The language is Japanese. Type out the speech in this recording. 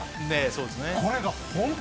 そうですね。